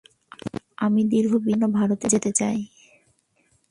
আমি দীর্ঘ বিশ্রামের জন্য ভারতে যেতে চাই।